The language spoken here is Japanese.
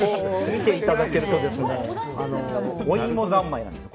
見ていただけるとお芋三昧なんです。